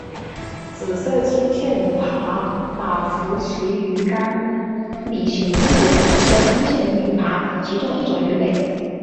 紫色金线鲃为辐鳍鱼纲鲤形目鲤科金线鲃属的其中一种鱼类。